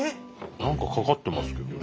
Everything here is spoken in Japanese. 何かかかってますけどね。